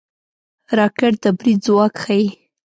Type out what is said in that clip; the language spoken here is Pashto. راکټ د برید ځواک ښيي